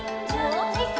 おおきく！